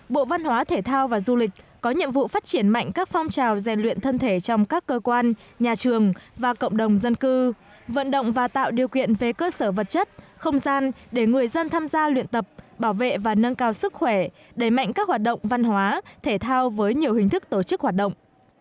bộ văn hóa thể thao và du lịch có nhiệm vụ phát triển mạnh các phong trào rèn luyện thân thể trong các cơ quan nhà trường và cộng đồng dân cư vận động và tạo điều kiện về cơ sở vật chất không gian để người dân tham gia luyện tập bảo vệ và nâng cao sức khỏe đẩy mạnh các hoạt động văn hóa thể thao với nhiều hình thức tổ chức hoạt động